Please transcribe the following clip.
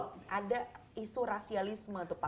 kalau ada isu rasialisme tuh pak